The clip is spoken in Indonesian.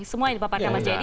semua yang di paparkan pak jedy